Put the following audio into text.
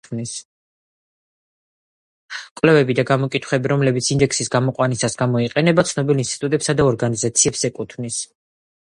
კვლევები და გამოკითხვები, რომლებიც ინდექსის გამოყვანისას გამოიყენება ცნობილ ინსტიტუტებსა და ორგანიზაციებს ეკუთვნის.